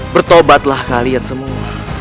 bertobatlah kalian semua